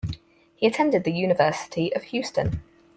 He attended the University of Houston.